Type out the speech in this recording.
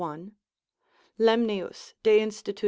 Lemnius de institut.